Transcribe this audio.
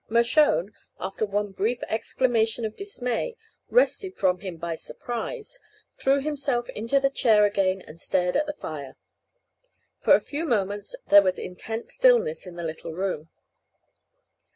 Mershone, after one brief exclamation of dismay, wrested from him by surprise, threw himself into the chair again and stared at the fire. For a few moments there was intense stillness in the little room.